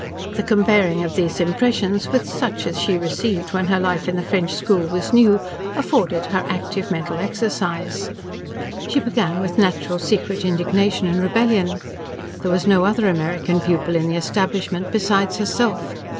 The comparing of these impressions with such as she received when her life in the French school was new afforded her active mental exercise. She began with natural, secret indignation and rebellion. There was no other American pupil in the establishment besides herself.